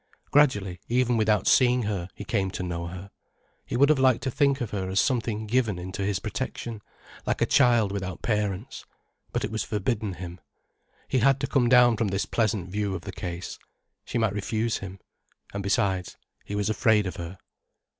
Gradually, even without seeing her, he came to know her. He would have liked to think of her as of something given into his protection, like a child without parents. But it was forbidden him. He had to come down from this pleasant view of the case. She might refuse him. And besides, he was afraid of her.